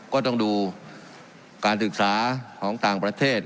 ก็ต้องดูการศึกษาของต่างประเทศ